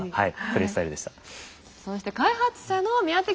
はい。